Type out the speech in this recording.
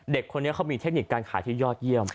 เด็กคนนี้เขามีเทคนิคการขายที่ยอดเยี่ยม